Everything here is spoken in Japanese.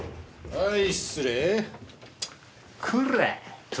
はい。